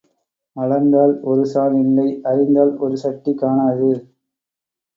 அளந்தால் ஒரு சாண் இல்லை அரிந்தால் ஒரு சட்டி காணாது.